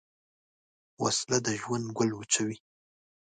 وسله د ژوند ګل وچوي